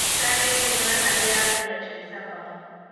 chay runa allaapa yachaysapam.